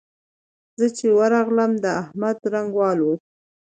زه چې ورغلم؛ د احمد رنګ والوت.